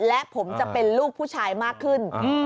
และผมจะเป็นลูกผู้ชายมากขึ้น